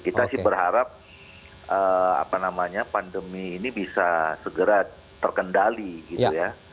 kita sih berharap apa namanya pandemi ini bisa segera terkendali gitu ya